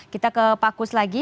kita ke pak kus lagi